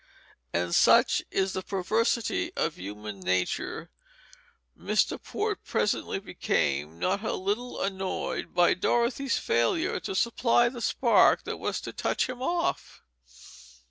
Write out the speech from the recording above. And, such is the perversity of human nature, Mr. Port presently became not a little annoyed by Dorothy's failure to supply the spark that was to touch him off.